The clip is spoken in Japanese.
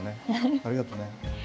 ありがとうね。